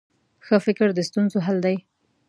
ښه فکر د ستونزو حل دی.